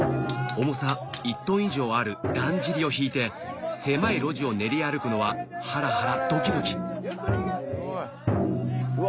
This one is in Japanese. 重さ１トン以上あるだんじりを引いて狭い路地を練り歩くのはハラハラドキドキうわ